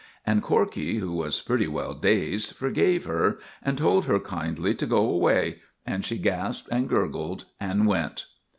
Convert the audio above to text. And Corkey, who was pretty well dazed, forgave her, and told her kindly to go away. And she gasped and gurgled, and went.